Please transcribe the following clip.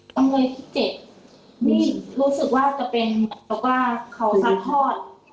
จำเลยที่เจ็บนี่รู้สึกว่าจะเป็นเหมือนกับว่าเขาซัดทอด